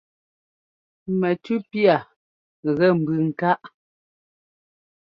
Mɛtʉ́ piâa gúɛ́ nbʉʉ nkáʼ.